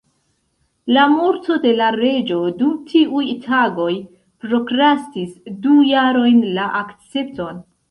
La morto de la reĝo dum tiuj tagoj prokrastis du jarojn la akcepton.